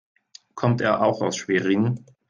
Kommt er auch aus Schwerin?